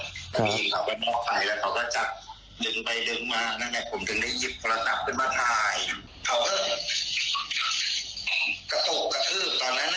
ตรงกระตูรถผู้หญิงเขาไปนอกไฟแล้วเขาก็จับดึงไปดึงมานั่นไง